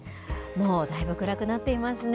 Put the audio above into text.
もうだいぶ暗くなっていますね。